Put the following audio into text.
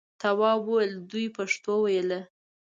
تواب وویل دوی پښتو ویله.